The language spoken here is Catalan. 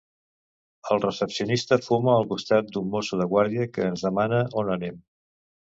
El recepcionista fuma al costat d'un Mosso de guàrdia, que ens demana on anem.